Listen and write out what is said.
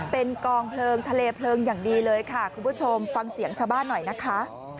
เป็นกองเพลิงทะเลเพลิงอย่างดีเลยค่ะคุณผู้ชมฟังเสียงชาวบ้านหน่อยนะคะ